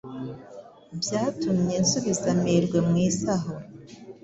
Byatumye nsubiza amerwe mu isaho,